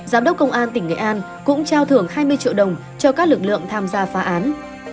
giám đốc công an tỉnh nghệ an cũng trao thưởng hai mươi triệu đồng cho các lực lượng tham gia phá án